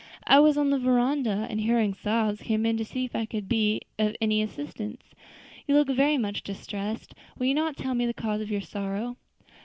"I was on the veranda, and hearing sobs, came in to see if I could be of any assistance. You look very much distressed; will you not tell me the cause of your sorrow?"